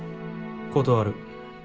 断る。